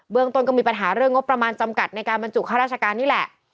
เรื่องต้นก็มีปัญหาเรื่องงบประมาณจำกัดในการบรรจุข้าราชการนี่แหละ